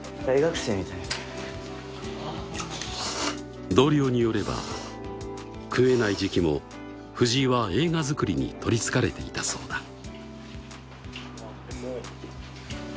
大学生みたい同僚によれば食えない時期も藤井は映画作りに取りつかれていたそうだ